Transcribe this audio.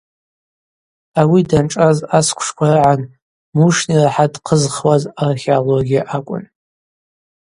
Ауи даншӏаз асквшква рагӏан Мушни рахӏа дхъызхуаз археология акӏвын.